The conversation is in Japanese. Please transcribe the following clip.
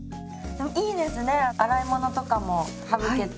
いいですね洗い物とかも省けて。